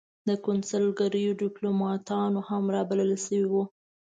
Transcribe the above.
د کنسلګریو دیپلوماتان هم را بلل شوي وو.